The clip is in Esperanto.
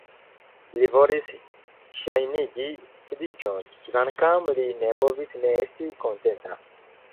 Li volis ŝajnigi tediĝon, kvankam li ne povis ne esti kontenta.